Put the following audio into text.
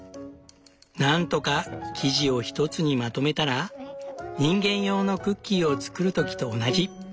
何とか生地を一つにまとめたら人間用のクッキーを作る時と同じ。